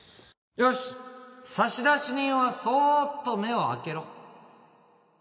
よしっ差出人はそっと目を開けろ